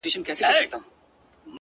• گوره زما گراني زما د ژوند شاعري،